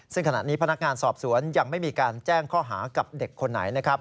ซึ่งขณะนี้พนักงานสอบสวนยังไม่มีการแจ้งข้อหากับเด็กคนไหนนะครับ